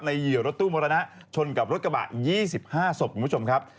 เหยื่อรถตู้มรณะชนกับรถกระบะ๒๕ศพคุณผู้ชมครับ